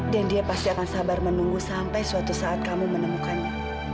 dan dia pasti akan sabar menunggu sampai suatu saat kamu menemukannya